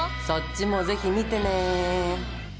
そっちもぜひ見てね。